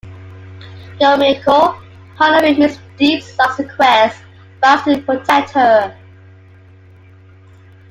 Yomiko, honoring Miss Deep's last request, vows to protect her.